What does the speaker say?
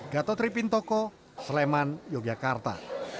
gatotri pintoko sleman yogyakarta